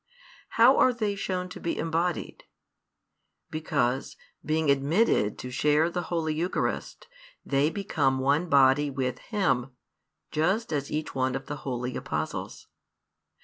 How are they shown to be "embodied"? Because, being admitted to share the Holy Eucharist, they become one body with Him, just as each one of the holy Apostles.